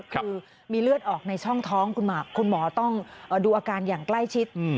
คือมีเลือดออกในช่องท้องคุณหมอต้องดูอาการอย่างใกล้ชิด